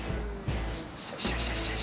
よしよし。